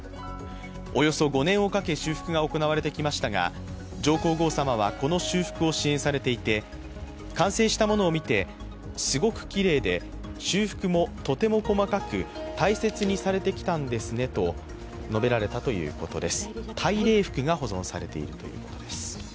およそ５年をかけ修復が行われてきましたが上皇后さまはこの修復を支援されていて完成したものを見てすごくきれいで修復もとても細かく大切にされてきたんですねと述べられたということです。